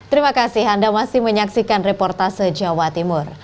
terima kasih anda masih menyaksikan reportase jawa timur